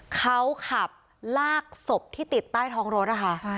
เขาขับลากศพที่ติดใต้ท้องรถนะคะ